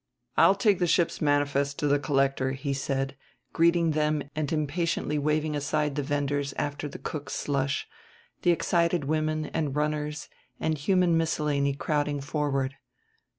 "I'll take the ship's manifest to the Collector," he said, greeting them and impatiently waving aside the vendors after the cook's slush, the excited women and runners and human miscellany crowding forward.